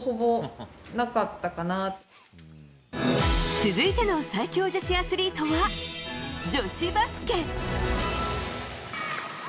続いての最強女子アスリートは女子バスケ。